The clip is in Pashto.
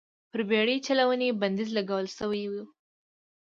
پر بېړۍ چلونې بندیز لګول شوی و.